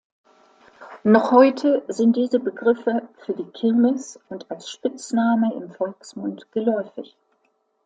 Noch heute sind diese Begriffe für die Kirmes und als Spitzname im Volksmund geläufig.